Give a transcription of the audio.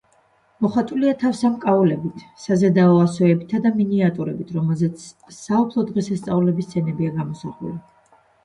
მოხატულია თავსამკაულებით, საზედაო ასოებითა და მინიატიურებით, რომლებზეც საუფლო დღესასწაულების სცენებია გამოსახული.